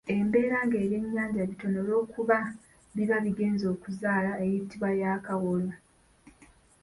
Embeera nga ebyennyanja bitono olwokuba biba bigenze okuzaala eyitibwa ya kawolo.